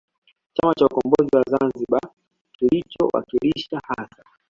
Chama cha Ukombozi wa Zamzibar kilichowakilisha hasa